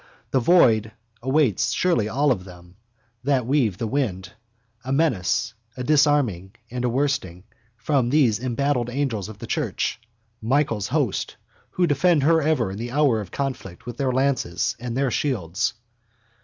The void awaits surely all them that weave the wind: a menace, a disarming and a worsting from those embattled angels of the church, Michael's host, who defend her ever in the hour of conflict with their lances and their shields.